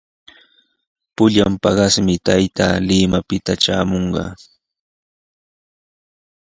Pullan paqasmi taytaa Limapita traamushqa.